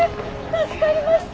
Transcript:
助かりました。